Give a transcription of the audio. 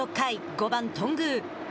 ５番、頓宮。